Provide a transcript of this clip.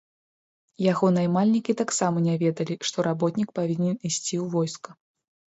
Яго наймальнікі таксама не ведалі, што работнік павінен ісці ў войска.